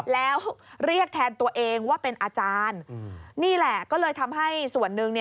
แล้วเรียกแทนตัวเองว่าเป็นอาจารย์นี่แหละก็เลยทำให้ส่วนหนึ่ง